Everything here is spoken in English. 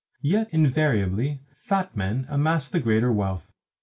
Yet invariably fat men amass the greater wealth.